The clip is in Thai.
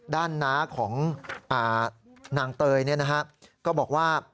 ด้านหน้าของนางเตยนะครับก็บอกว่า